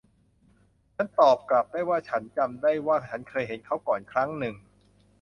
ฉันตอบกลับว่าฉันจำได้ว่าฉันเคยเห็นเขาก่อนครั้งหนึ่ง